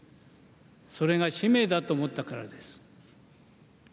それが使命だと思ったからです。